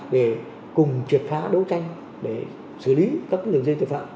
để cùng triệt phá đấu tranh để xử lý các đơn vị tội phạm